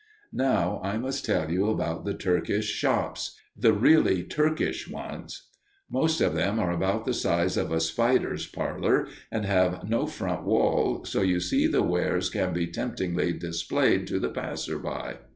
Now I must tell you about the Turkish shops the really Turkish ones. Most of them are about the size of a spider's parlor and have no front wall, so you see the wares can be temptingly displayed to the passer by.